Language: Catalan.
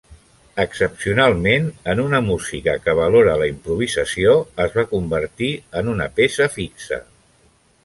Excepcionalment en una música que valora la improvisació, es va convertir en una peça fixa.